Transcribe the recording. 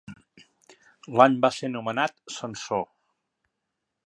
L'any va ser nomenat censor.